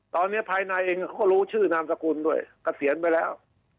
ตอนนี้ภายในเองเขาก็รู้ชื่อนามสกุลด้วยเกษียณไปแล้ว